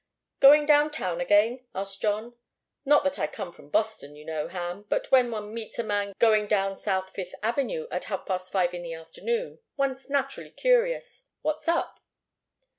"Going down town again?" asked John. "Not that I come from Boston, you know, Ham but when one meets a man going down South Fifth Avenue at half past five in the afternoon, one's naturally curious. What's up?"